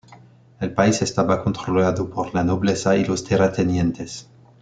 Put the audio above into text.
El país estaba controlado por la nobleza y los terratenientes.